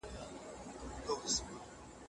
د تاریخ لوستل د هویت بحران له منځه وړي.